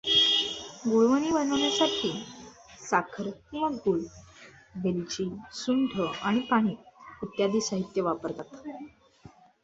गुळवणी बनवण्यासाठी साखर किंवा गूळ, वेलची, सुंठ आणि पाणी इत्यादी साहित्य वापरतात.